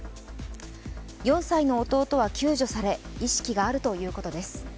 ４歳の弟は救助され意識があるということです。